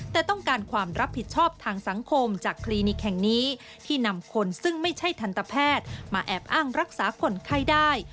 แต่ต้องการความรับผิดชอบทางสังคมจากคลินิกแห่งนี้ที่นำคนซึ่งไม่ใช่ทันตแพทย์มาแอบอ้างรักษาคนไข้ได้